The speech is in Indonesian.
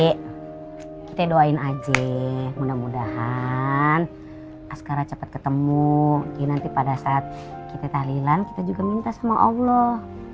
kita doain aja mudah mudahan askara cepat ketemu ya nanti pada saat kita tahlilan kita juga minta sama allah